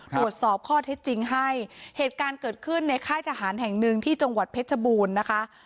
ตรวจสอบข้อเท็จจริงให้เหตุการณ์เกิดขึ้นในค่ายทหารแห่งหนึ่งที่จังหวัดเพชรบูรณ์นะคะ